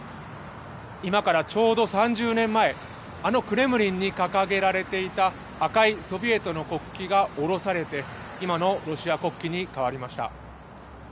今からちょうど３０年前あのクレムリンに掲げられていた赤いソビエトの国旗が降ろされて今のロシア国旗に変わりました。